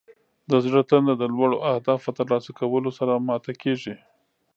د زړه تنده د لوړو اهدافو په ترلاسه کولو سره ماته کیږي.